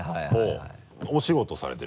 お仕事されてる？